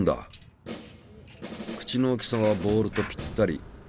口の大きさはボールとぴったり。